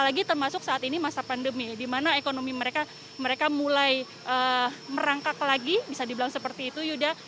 apalagi termasuk saat ini masa pandemi di mana ekonomi mereka mereka mulai merangkak lagi bisa dibilang seperti itu yuda